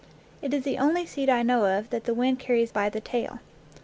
It is the only seed I know of that the wind carries by the tail.